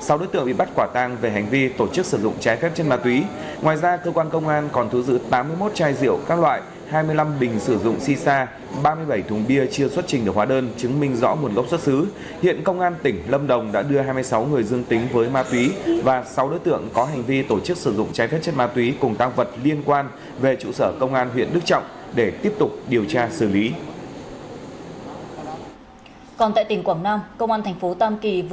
sau đối tượng bị bắt quả tang về hành vi tổ chức sử dụng trái phép chất ma túy tại thời điểm kiểm tra quán có chín mươi sáu khách đang sử dụng dịch vụ nghe nhạc và có biểu hiện sử dụng tổ chức sử dụng tổ chức sử dụng tổ chức sử dụng tổ chức